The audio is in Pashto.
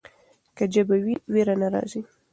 که ژبه وي ویره نه راځي.